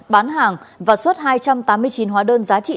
bán hàng và xuất hai trăm tám mươi chín hóa đơn giá trị